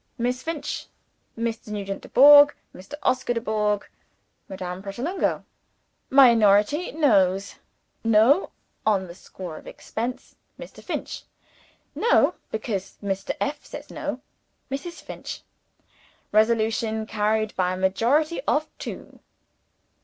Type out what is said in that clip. Miss Finch. Mr. Nugent Dubourg. Mr. Oscar Dubourg. Madame Pratolungo. Minority Noes. No (on the score of expense), Mr. Finch. No (because Mr. F. says No), Mrs. Finch. Resolution carried by a majority of two.